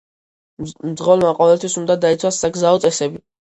მძღოლმა ყოველთვის უნდა დაიცვას საგზაო წესები.